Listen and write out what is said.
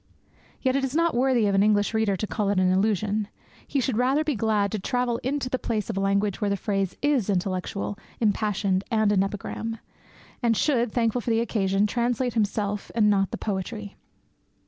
Yet it is not worthy of an English reader to call it an illusion; he should rather be glad to travel into the place of a language where the phrase is intellectual, impassioned, and an epigram; and should thankfully for the occasion translate himself, and not the poetry.